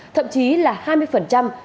thậm chí là hai mươi phần trăm